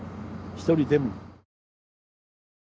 一人でも。